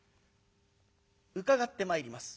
伺ってまいります。